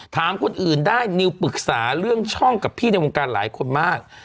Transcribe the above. ถามคนอื่นได้นิวปรึกษาเรื่องช่องกับพี่ในวงการหลายคนมาก